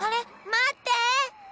まって！